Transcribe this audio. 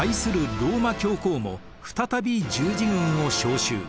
ローマ教皇も再び十字軍を招集。